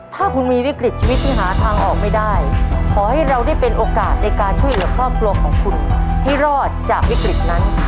ถ้าคุณมีวิกฤตชีวิตที่หาทางออกไม่ได้ขอให้เราได้เป็นโอกาสในการช่วยเหลือครอบครัวของคุณให้รอดจากวิกฤตนั้น